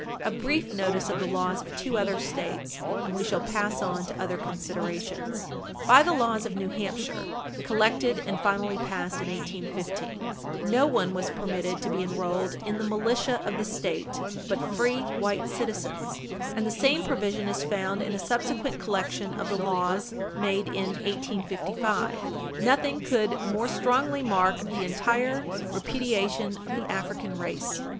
A brief notice of the laws of two other States, and we shall pass on to other considerations. By the laws of New Hampshire, collected and finally passed in 1815, no one was permitted to be enrolled in the militia of the State but free white citizens, and the same provision is found in a subsequent collection of the laws made in 1855. Nothing could more strongly mark the entire repudiation of the African race.